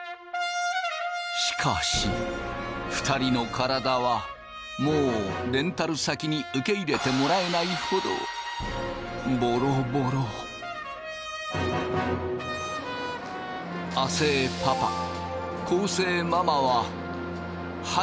しかし２人の体はもうレンタル先に受け入れてもらえないほど亜生パパ昴